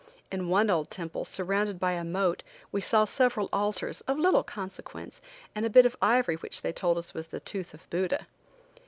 In one old temple, surrounded by a moat, we saw several altars, of little consequence, and a bit of ivory which they told us was the tooth of Buddha.